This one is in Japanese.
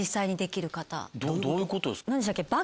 どういうことですか？